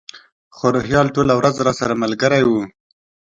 خو روهیال ټوله ورځ راسره ملګری و.